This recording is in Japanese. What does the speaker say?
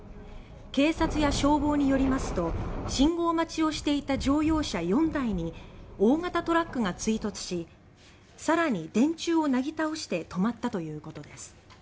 警察や消防によりますと信号待ちをしていた乗用車４台に大型トラックが追突しさらに電柱をなぎ倒して止まったということです。